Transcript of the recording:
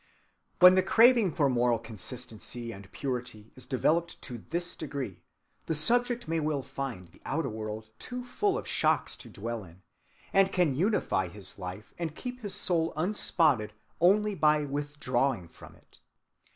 When the craving for moral consistency and purity is developed to this degree, the subject may well find the outer world too full of shocks to dwell in, and can unify his life and keep his soul unspotted only by withdrawing from it.